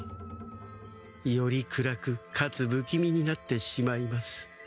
より暗くかつぶきみになってしまいます。